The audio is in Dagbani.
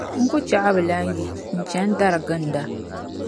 n ku chɛ ka bɛ lan yi n-chani dari ginda.